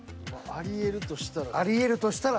ありえるとしたら。